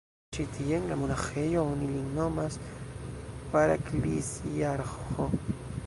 Ĉi tie, en la monaĥejo, oni lin nomas paraklisiarĥo.